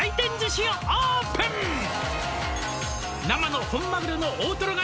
「生の本マグロの大トロが」